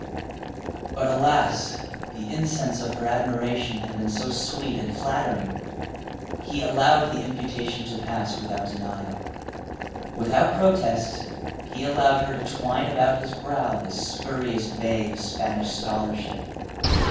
But, alas! the incense of her admiration had been so sweet and flattering. He allowed the imputation to pass without denial. Without protest, he allowed her to twine about his brow this spurious bay of Spanish scholarship.